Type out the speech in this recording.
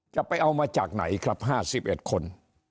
จะเอามาจากไหนครับ๕๑คน